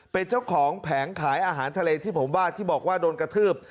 เป็นเจ้าของแผงขายอาหารทะเลที่ผมว่าที่บอกว่าโดนกระทืบ